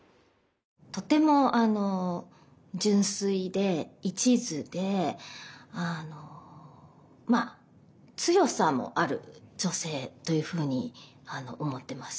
とても純粋で一途でまあ強さもある女性というふうに思ってます。